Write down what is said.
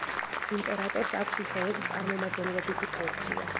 იმპერატორს აქვს მხოლოდ წარმომადგენლობითი ფუნქცია.